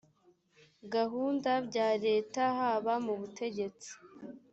gahunda bya leta haba mu butegetsi